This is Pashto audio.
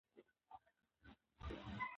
ـ پک مې ليدلى وو، نه معاغزه وتلى.